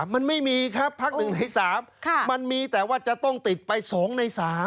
มันไม่มีครับพัก๑ใน๓มันมีแต่ว่าจะต้องติดไป๒ใน๓